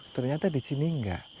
ternyata di sini enggak